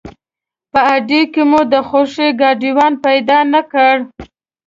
په اډې کې مو د خوښې ګاډیوان پیدا نه کړ.